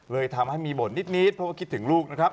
เลยทำให้มีบทนิดเพราะว่าคิดถึงลูกนะครับ